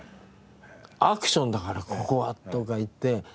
「アクションだからここは」とか言って。